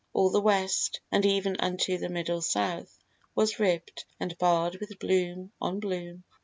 All the West, And even unto the middle South, was ribb'd And barr'd with bloom on bloom.